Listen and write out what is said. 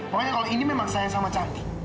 pokoknya kalau ini memang sayang sama cantik